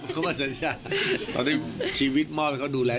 เขามาทำยาตอนนี้ชีวิตมอบเขาดูแล